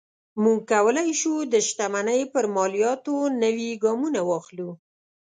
موږ کولی شو د شتمنۍ پر مالیاتو نوي ګامونه واخلو.